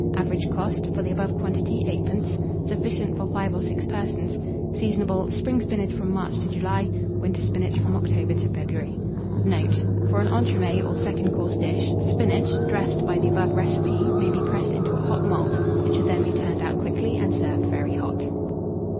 Average cost for the above quantity, 8d. Sufficient for 5 or 6 persons. Seasonable. Spring spinach from March to July; winter spinach from October to February. Note. For an entremets or second course dish, spinach, dressed by the above recipe may be pressed into a hot mould; it should then be turned out quickly, and served very hot.